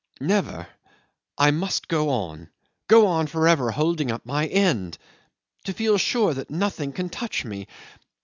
Never. I must go on, go on for ever holding up my end, to feel sure that nothing can touch me.